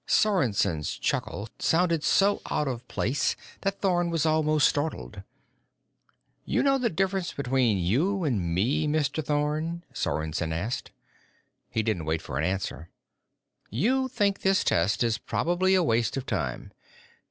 Sorensen's chuckle sounded so out of place that Thorn was almost startled. "You know the difference between you and me, Mr. Thorn?" Sorensen asked. He didn't wait for an answer. "You think this test is probably a waste of time.